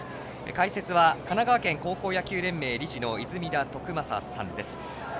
解説は神奈川県高校野球連盟理事の泉田徳正さんです。